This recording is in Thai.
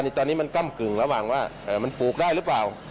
ตอนนี้มันก้ำกึ่งระหว่างว่ามันปลูกได้หรือเปล่า